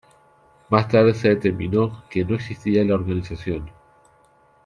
Más tarde se determinó que no existía la organización.